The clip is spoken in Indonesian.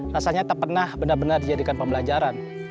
rasanya tak pernah benar benar dijadikan pembelajaran